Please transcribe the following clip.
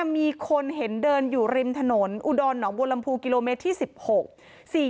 มีคนเห็นเดินอยู่ริมถนนอุดรหนองบัวลำพูกิโลเมตรที่๑๖